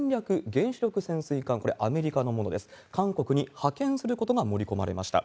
原子力潜水艦、これ、アメリカのものです、韓国に派遣することが盛り込まれました。